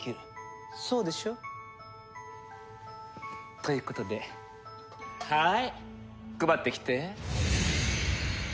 そうでしょ？ということではい配ってきて。